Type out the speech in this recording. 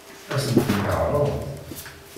Ad sen-ten-yeɛṛeḍ?